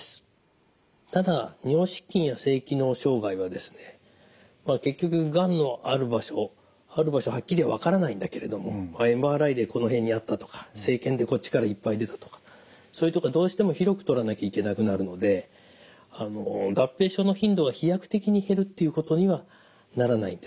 ただ尿失禁や性機能障害はですね結局がんのある場所ある場所はっきり分からないんだけれどもＭＲＩでこの辺にあったとか生検でこっちからいっぱい出たとかそういう所はどうしても広く取らなきゃいけなくなるので合併症の頻度は飛躍的に減るっていうことにはならないんですね。